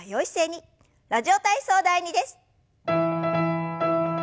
「ラジオ体操第２」です。